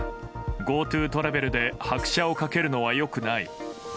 ＧｏＴｏトラベルで拍車を掛けるのは良くない。